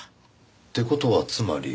って事はつまり。